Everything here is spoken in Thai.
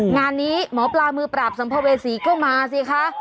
งานนี้หมอปลามือปราบสัมภเวษีก็มาสิคะ